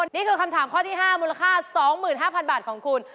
นี่คือคำถามข้อที่๕มูลค่า๒๕๐๐๐บาทของคุณ